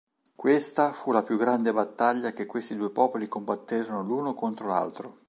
Questa fu la più grande battaglia che questi due popoli combatterono l'uno contro l'altro.